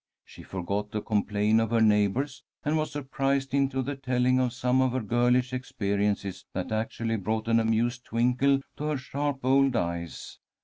She forgot to complain of her neighbours, and was surprised into the telling of some of her girlish experiences that actually brought an amused twinkle to her sharp old eyes.